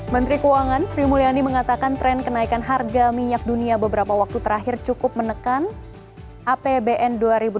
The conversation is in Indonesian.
menteri keuangan sri mulyani mengatakan tren kenaikan harga minyak dunia beberapa waktu terakhir cukup menekan apbn dua ribu delapan belas